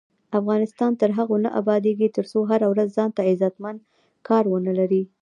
افغانستان تر هغو نه ابادیږي، ترڅو هر وګړی ځانته عزتمن کار ونه لري.